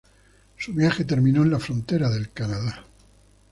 Su viaje terminó en la frontera del Canadá.